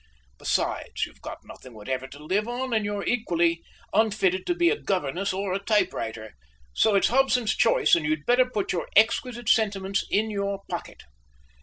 Besides, you've got nothing whatever to live on, and you're equally unfitted to be a governess or a typewriter. So it's Hobson's choice, and you'd better put your exquisite sentiments in your pocket."